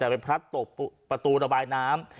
ไปพลัทประตูระบายน้ำ